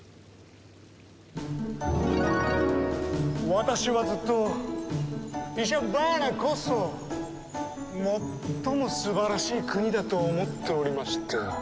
私はずっとイシャバーナこそ最も素晴らしい国だと思っておりました。